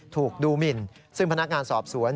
ถูกดูหมินซึ่งพนักงานสอบสวน